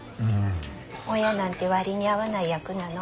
親なんて割に合わない役なの。